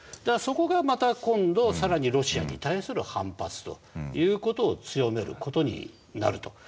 そこがまた今度更にロシアに対する反発という事を強める事になると。